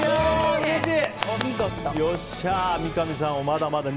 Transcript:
うれしい！